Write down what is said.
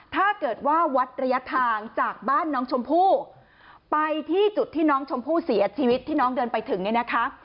ถ้าเกิดว่าวัดระยะทางจากบ้านน้องชมพู่ไปที่จุดที่น้องชมพู่เสียชีวิตที่น้องเดินไปถึงเนี่ยนะคะ